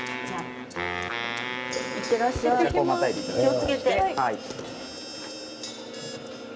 気を付けて。